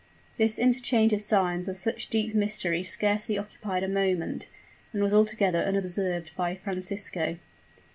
This interchange of signs of such deep mystery scarcely occupied a moment, and was altogether unobserved by Francisco.